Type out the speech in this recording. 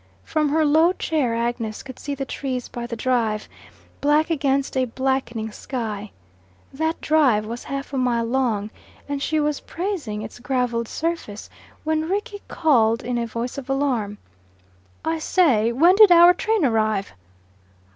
From her low chair Agnes could see the trees by the drive, black against a blackening sky. That drive was half a mile long, and she was praising its gravelled surface when Rickie called in a voice of alarm, "I say, when did our train arrive?"